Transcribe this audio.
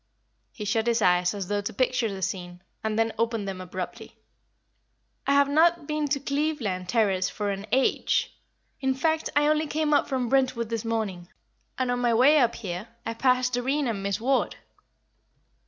He shut his eyes as though to picture the scene, and then opened them abruptly. "I have not been to Cleveland Terrace for an age. In fact, I only came up from Brentwood this morning, and on my way up here I passed Doreen and Miss Ward."